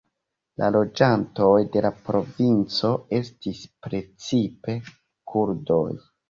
La loĝantoj de la provinco estas precipe kurdoj.